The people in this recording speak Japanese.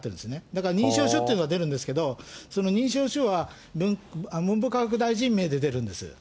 だから認証書っていうのが出るんですけど、その認証書は、文部科学大臣名で出るんです。